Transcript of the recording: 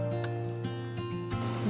gue udah berhasil